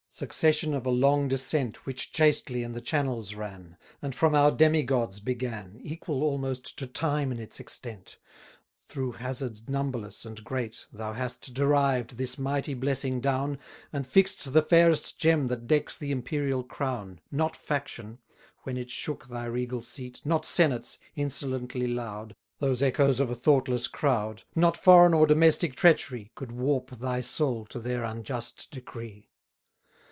Succession of a long descent Which chastely in the channels ran, And from our demi gods began, Equal almost to time in its extent, Through hazards numberless and great, Thou hast derived this mighty blessing down, And fix'd the fairest gem that decks the imperial crown Not faction, when it shook thy regal seat, Not senates, insolently loud, Those echoes of a thoughtless crowd, Not foreign or domestic treachery, Gould warp thy soul to their unjust decree.